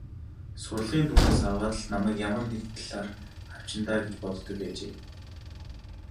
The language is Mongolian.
Сурлагын дүнгээс аваад л намайг ямар нэг талаар хавчина даа гэж боддог байжээ.